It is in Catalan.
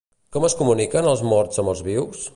Com es comuniquen els morts amb els vius?